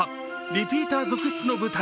リピーター続出の舞台